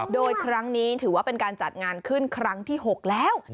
โดยครั้งนี้ถือว่าเป็นการจัดงานขึ้นครั้งที่๖แล้ว